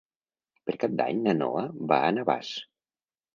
Per Cap d'Any na Noa va a Navàs.